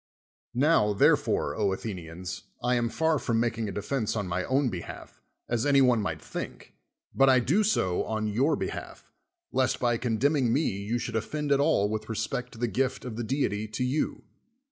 Now, therefore, Athenians, I am far from making a defense on my own behalf, as any one might think, but I do so on your behalf, lest by condemning me you should offend at all with re spect to the gift of the deity to you.